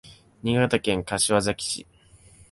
新潟県柏崎市